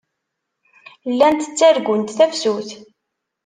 Llant ttargunt tafsut.